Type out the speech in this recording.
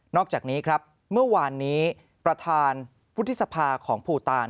อกจากนี้ครับเมื่อวานนี้ประธานวุฒิสภาของภูตาน